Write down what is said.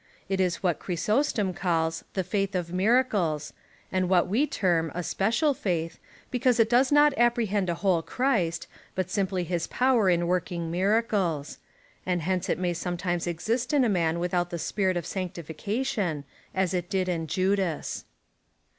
It is what Chrysostom calls the " faith of miracles," and what Ave term a " special faith," because it does not apprehend a whole Christ, but simply his power in working miracles ; and hence it may sometimes exist in a man without the Spirit of sancti fication, as it did in Judas.